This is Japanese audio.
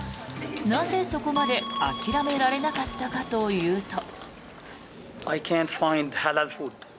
なぜ、そこまで諦められなかったかというと。